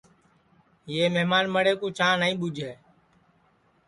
یہ مھمان مڑے کُو چاں نائی ٻوجھے